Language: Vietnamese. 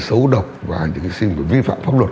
xấu độc và những cái vi phạm pháp luật